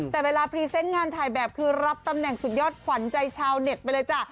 แต่เวลาพรีเซนต์งานถ่ายแบบคือรับตำแหน่งสุดยอดขวัญใจชาวเน็ตไปเลยจ้ะ